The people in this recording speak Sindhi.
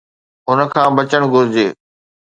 ان کان بچڻ گهرجي.